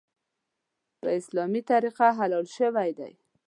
په اسلامي طریقه حلال شوی دی .